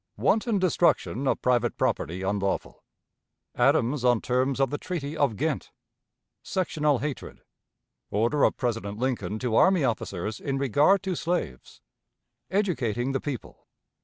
Wanton Destruction of Private Property unlawful Adams on Terms of the Treaty of Ghent. Sectional Hatred. Order of President Lincoln to Army Officers in Regard to Slaves. "Educating the People."